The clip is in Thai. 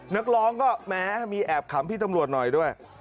นักร้องก็แม้มีแอบขำพี่ตำรวจหน่อยด้วย